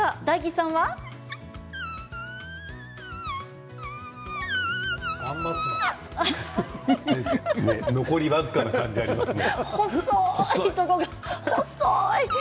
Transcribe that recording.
草笛の音残り僅かな感じがありますね。